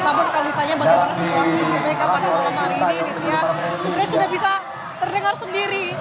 namun kalau ditanya bagaimana situasi di gbk pada malam hari ini nitya sebenarnya sudah bisa terdengar sendiri